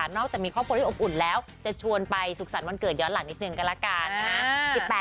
อกจากมีครอบครัวที่อบอุ่นแล้วจะชวนไปสุขสรรค์วันเกิดย้อนหลังนิดนึงกันละกันนะฮะ